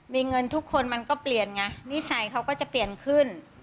มีเงินทุกคนมันก็เปลี่ยนไงนิสัยเขาก็จะเปลี่ยนขึ้น